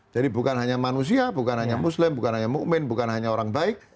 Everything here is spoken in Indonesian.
jadi bukan hanya manusia bukan hanya muslim bukan hanya mu'min bukan hanya orang baik